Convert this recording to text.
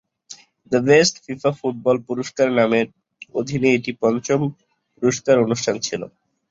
The best FIFA football পুরস্কার নামের অধীনে এটি পঞ্চম পুরস্কার অনুষ্ঠান ছিল।